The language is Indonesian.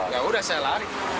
ya sudah saya lari